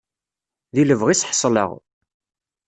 Di lebɣi-s ḥeṣleɣ.